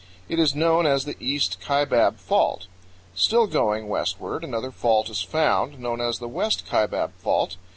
It is known as the East Kaibab Fault. Still going westward, another fault is found, known as the West Kaibab Fault.